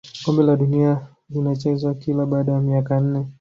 kombe la dunia linachezwa kila baada ya miaka minne